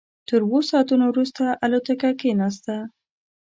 تر اوو ساعتونو وروسته الوتکه کېناسته.